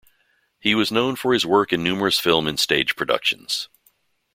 He was known for his work in numerous film and stage productions.